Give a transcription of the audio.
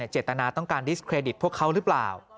เจตนาต้องการดิสเครดิตพวกเขาหรือเปล่า